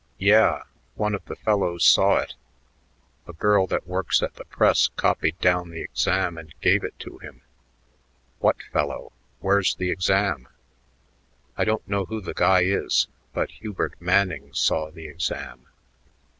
"Yeah! One of the fellows saw it. A girl that works at the press copied down the exam and gave it to him." "What fellow? Where's the exam?" "I don't know who the guy is, but Hubert Manning saw the exam."